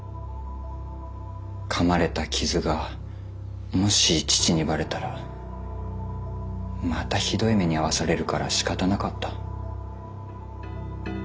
かまれた傷がもし父にバレたらまたひどい目に遭わされるからしかたなかった。